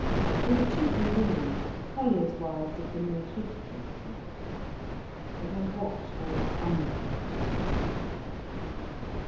They were chiefly women, colliers' wives of the more shiftless sort. They had watchful, underworld faces.